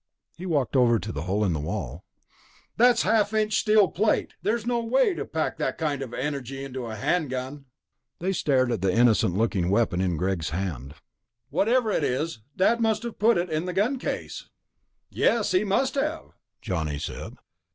He walked over to the hole in the wall. "That's half inch steel plate. There's no way to pack that kind of energy into a hand gun." They stared at the innocent looking weapon in Greg's hand. "Whatever it is, Dad must have put it in the gun case." "Yes, he must have," Johnny said.